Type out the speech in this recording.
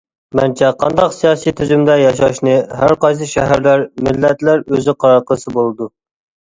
مەنچە قانداق سىياسىي تۈزۈمدە ياشاشنى ھەر قايسى شەھەرلەر، مىللەتلەر ئۆزى قارار قىلسا بولىدۇ.